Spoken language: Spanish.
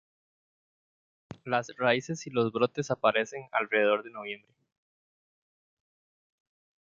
Las raíces y brotes aparecen alrededor de noviembre.